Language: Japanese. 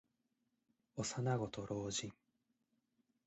幼子と老人。